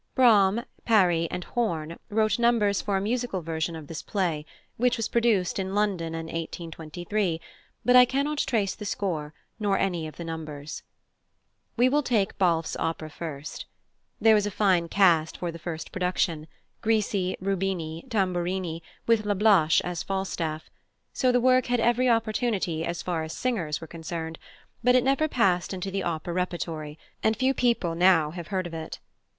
+Braham, Parry,+ and +Horn+ wrote numbers for a musical version of this play, which was produced in London in 1823, but I cannot trace the score nor any of the numbers. We will take +Balfe's+ opera first. There was a fine cast for the first production Grisi, Rubini, Tamburini, with Lablache as Falstaff: so the work had every opportunity, as far as singers were concerned, but it never passed into the opera repertory, and few people now have heard of it.